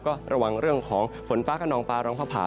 ก็ระวังเรื่องของฝนฟ้าขนองฟ้าร้องฟ้าผ่า